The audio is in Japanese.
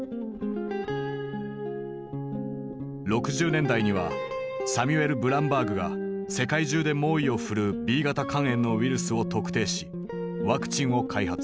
６０年代にはサミュエル・ブランバーグが世界中で猛威を振るうＢ型肝炎のウイルスを特定しワクチンを開発。